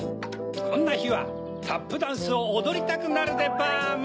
こんなひはタップダンスをおどりたくなるでバーム！